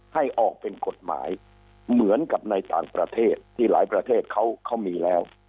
ให้ออกเป็นกฎหมายเหมือนกับในต่างประเทศที่หลายประเทศเขามีแล้ว